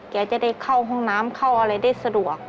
แกจะได้เข้าห้องน้ำเข้าอะไรได้สะดวก